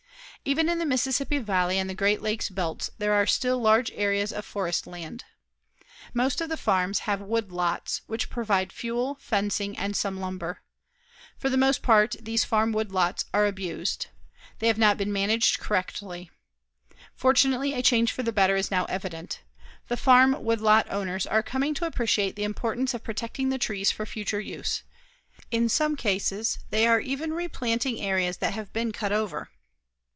Even in the Mississippi Valley and the Great Lakes belts there are still large areas of forest land. Most of the farms have woodlots which provide fuel, fencing, and some lumber. For the most part, these farm woodlots are abused. They have not been managed correctly. Fortunately, a change for the better is now evident. The farm woodlot owners are coming to appreciate the importance of protecting the trees for future use. In some cases, they are even replanting areas that have been cut over.